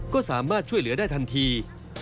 ก็สามารถช่วยเหลือได้ทันที